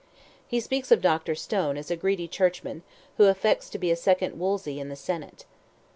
He speaks of Dr. Stone as "a greedy churchman, who affects to be a second Wolsey in the senate."